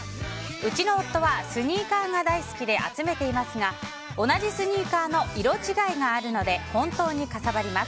うちの夫はスニーカーが大好きで集めていますが同じスニーカーの色違いがあるので本当にかさばります。